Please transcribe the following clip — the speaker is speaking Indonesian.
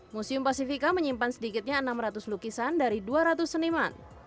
museum pasifika menyimpan sedikitnya enam ratus lukisan dari dua ratus seniman